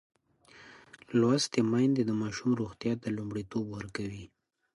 لوستې میندې د ماشوم روغتیا ته لومړیتوب ورکوي.